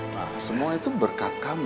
nah semua itu berkat kami